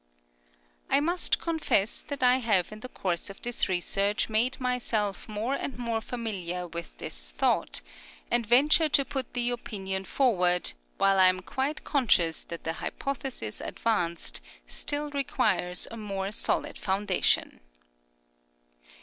I must confess that I have in the course of this research made myself more and more familiar with this thought, and ven ture to put the opinion forward, while I am quite conscious that the hypothesis ad vanced still requires a more solid founda tion.